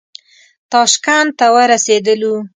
تاشکند ته ورسېدلو.